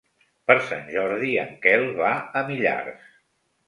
Per Sant Jordi en Quel va a Millars.